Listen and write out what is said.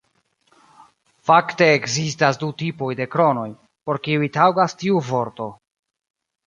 Fakte ekzistas du tipoj de kronoj, por kiuj taŭgas tiu vorto.